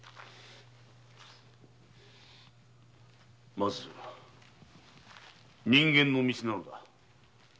まずは“人間の道”なのだ。